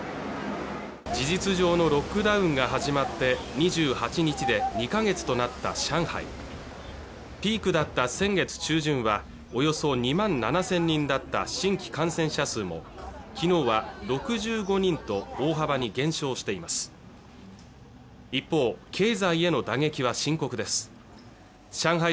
事実上のロックダウンが始まって２８日で２か月となった上海ピークだった先月中旬はおよそ２万７０００人だった新規感染者数も昨日は６５人と大幅に減少しています一方経済への打撃は深刻です上海